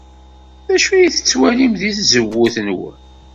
D acu ay tettwalim seg tzewwut-nwen?